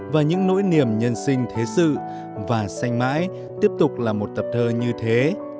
và những nỗi niềm nhân sinh thế sự và xanh mãi tiếp tục là một tập thơ như thế